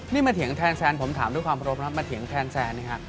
นี่มาเถียงแทนแฟนผมถามด้วยความเคารพครับมาเถียงแทนแซนนะครับ